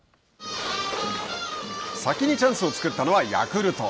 先にチャンスを作ったのはヤクルト。